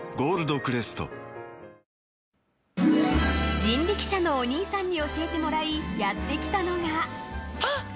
人力車のお兄さんに教えてもらい、やってきたのが。